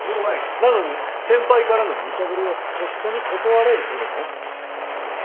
なのに先輩からの無茶振りをとっさに断れるとでも？